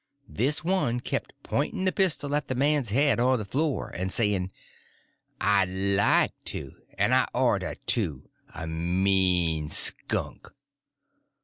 This one kept pointing the pistol at the man's head on the floor, and saying: "I'd like to! And I orter, too—a mean skunk!"